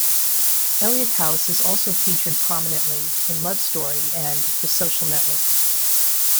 Eliot House is also featured prominently in "Love Story" and "The Social Network".